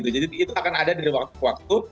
jadi itu akan ada dari waktu ke waktu